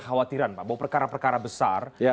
khawatiran pak bahwa perkara perkara besar